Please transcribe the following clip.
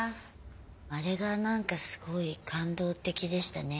あれが何かすごい感動的でしたね。